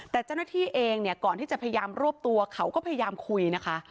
แต่เจ้าหน้าที่เองเนี่ยก่อนที่จะพยายามรวบตัวเขาก็พยายามคุยนะคะ